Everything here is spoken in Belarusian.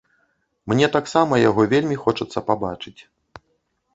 Мне таксама яго вельмі хочацца пабачыць.